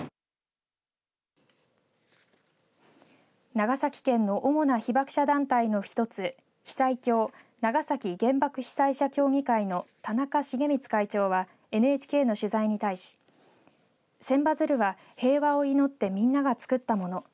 長崎県の主な被爆者団体の一つ被災協、長崎原爆被災者協議会の田中重光会長はＮＨＫの取材に対し千羽鶴は平和を祈ってみんなが作ったもの。